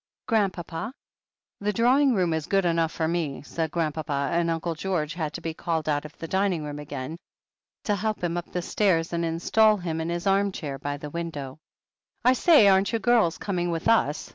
"Grandpapa?" "The drawing room is good enough for me," said Grandpapa, and Uncle George had to be called out of THE HEEL OF ACHILLES 199 the dining room again to help him up the stairs and instal him in his arm chair by the window. "I say, aren't you girls coming with us?"